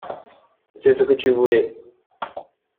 C’est ce que tu voulais?